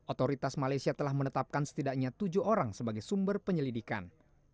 otoritas malaysia telah menetapkan setidaknya tujuh orang sebagai sumber penyelidikan